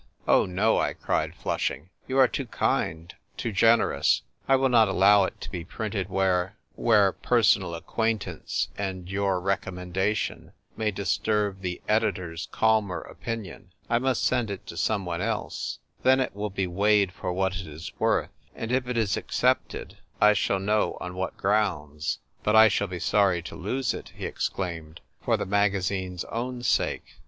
" Oh, no," I cried, flushing. "You are too kind, too generous. I will not allow it to be printed where — where personal acquaintance and your recom mendation may disturb the editor's calmer opinion. I must send it to someone else. Then it will be weighed for what it is worth, and if it is accepted, I shall know on what grounds." " But I shall be sorry to lose it," he ex claimed ;" for the magazine's own sake.